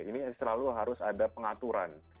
ini selalu harus ada pengaturan